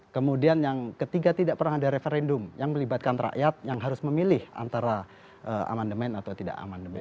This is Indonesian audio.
kemudian yang ketiga tidak pernah ada referendum yang melibatkan rakyat yang harus memilih antara amandemen atau tidak amandemen